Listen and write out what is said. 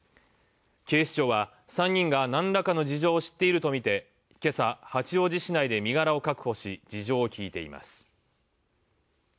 警視庁は、３人が何らかの事情を知っているとみて、今朝、八王子市内で身柄を確保し事情を聴いています。